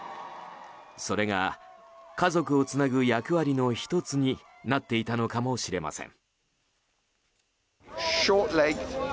それが、家族をつなぐ役割の１つになっていたのかもしれません。